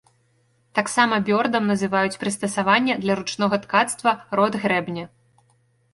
Таксама бёрдам называюць прыстасаванне для ручнога ткацтва, род грэбня.